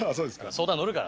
相談乗るから。